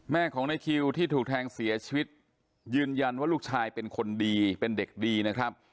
แม่ของในคิวที่ถูกแทงเสียชีวิตยืนยันว่าลูกชายเป็นคนดีเป็นเด็กดีนะครับ